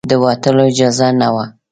د وتلو اجازه نه وه.